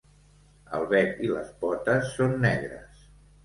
El bec i les potes són negres.